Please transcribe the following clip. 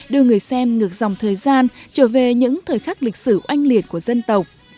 đưa người xem ngược dòng thời gian trở về những thời khắc lịch sử oanh liệt của dân tộc